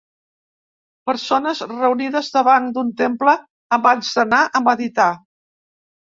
Persones reunides davant d'un temple abans d'anar a meditar.